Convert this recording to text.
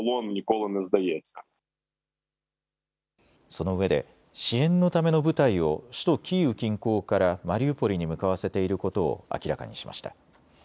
そのうえで支援のための部隊を首都キーウ近郊からマリウポリに向かわせていることを明らかにしました。